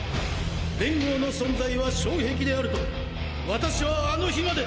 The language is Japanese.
連合の存在は障壁であると私はあの日まで！